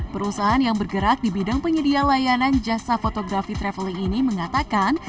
perusahaan yang bergerak di bidang penyedia layanan jasa fotografi traveling ini mengatakan